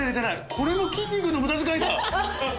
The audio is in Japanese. これも筋肉の無駄遣いだ！